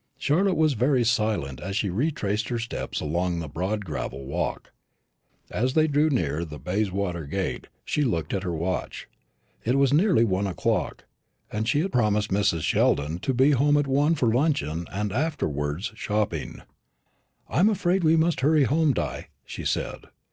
Charlotte was very silent as she retraced her steps along the broad gravel walk. As they drew near the Bayswater gate she looked at her watch. It was nearly one o'clock, and she had promised Mrs. Sheldon to be home at one for luncheon, and afterwards shopping. "I'm afraid we must hurry home, Di," she said.